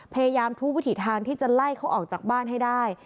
พยายามทุกวิถีทางที่จะไล่เขาออกจากบ้านให้ได้